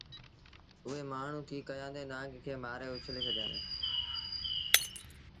اُئي مآڻهوٚٚݩ ڪيٚ ڪيآݩدي نآݩگ کي مآري اُڇلي ڇڏيآݩدي